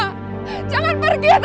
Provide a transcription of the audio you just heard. tanti jangan pergi sama mama